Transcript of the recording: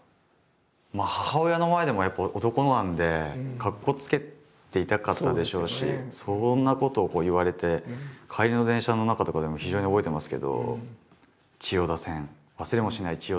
まあ母親の前でもやっぱ男なんでかっこつけていたかったでしょうしそんなことを言われて帰りの電車の中とかでも非常に覚えてますけど。